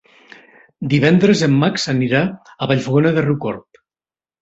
Divendres en Max anirà a Vallfogona de Riucorb.